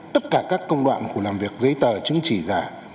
tất cả các công đoạn của làm việc giấy tờ chứng chỉ giả